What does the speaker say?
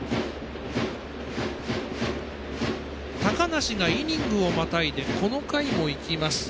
高梨がイニングをまたいでこの回もいきます。